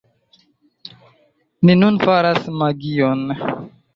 Ni nun faras magion